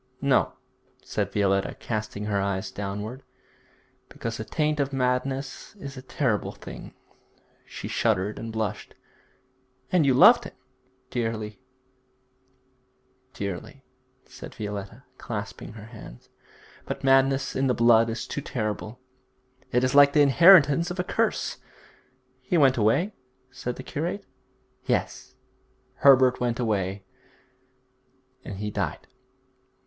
'No,' said Violetta, casting her eyes downward, 'because the taint of madness is a terrible thing.' She shuddered and blushed. 'And you loved him?' 'Dearly, dearly,' said Violetta, clasping her hands. 'But madness in the blood is too terrible; it is like the inheritance of a curse.' 'He went away?' said the curate. 'Yes, Herbert went away; and he died.